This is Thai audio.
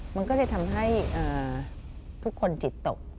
มันก็เลยทำให้ทุกคนจิตตก